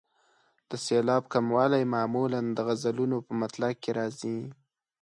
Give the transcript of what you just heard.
د سېلاب کموالی معمولا د غزلونو په مطلع کې راځي.